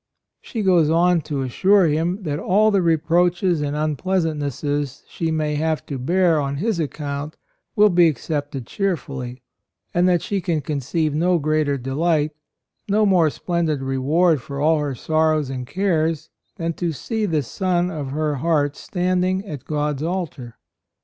She goes on to assure him that all the reproaches and unpleasant nesses she may have to bear on his account will be accepted cheerfully; and that she can conceive no greater delight, no more splendid reward for all her sorrows and cares than to see the son of her heart standing at God's altar.